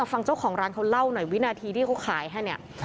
ฟังเจ้าของร้านเขาเล่าหน่อยวินาทีที่เขาขายให้เนี่ย